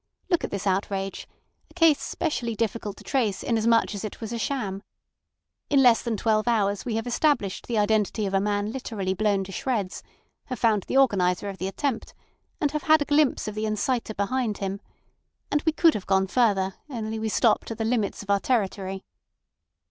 Look at this outrage; a case specially difficult to trace inasmuch as it was a sham. In less than twelve hours we have established the identity of a man literally blown to shreds, have found the organiser of the attempt, and have had a glimpse of the inciter behind him. And we could have gone further; only we stopped at the limits of our territory."